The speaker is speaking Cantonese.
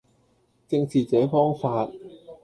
正是這方法。